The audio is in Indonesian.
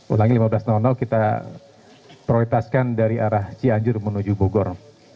ulangi lima belas kita prioritaskan dari arah cianjur menuju bogor